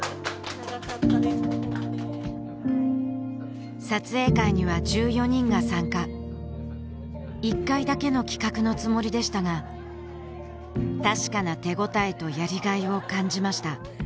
ここまで撮影会には１４人が参加１回だけの企画のつもりでしたが確かな手応えとやりがいを感じました